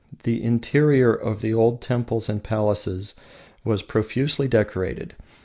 The interior of the old temples and palaces was profusely decorated.